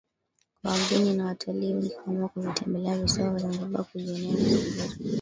kwa wageni na watalii wengi kuamua kuvitembelea Visiwa vya Zanzibar kujionea mazingira